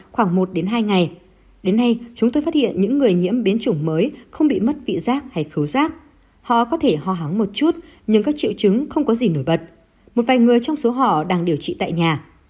khoảng một đến hai ngày đến nay chúng tôi phát hiện những người nhiễm biến chủng mới không bị mất vị giác hay khấu rác họ có thể ho hắng một chút nhưng các triệu chứng không có gì nổi bật một vài người trong số họ đang điều trị tại nhà